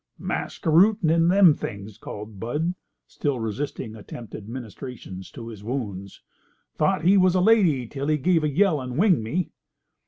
"Masquerootin' in them things," called Bud, still resisting attempted ministrations to his wounds. "Thought he was a lady till he gave a yell and winged me."